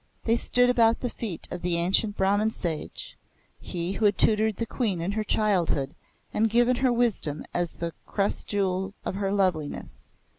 They stood about the feet of the ancient Brahmin sage, he who had tutored the Queen in her childhood and given her wisdom as the crest jeweled of her loveliness.